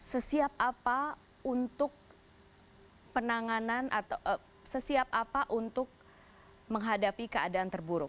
sesiap apa untuk penanganan atau sesiap apa untuk menghadapi keadaan terburuk